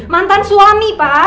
mantan suami pak